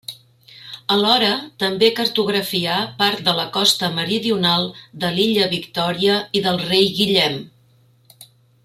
Alhora també cartografià part de la costa meridional de l'illa Victòria i del Rei Guillem.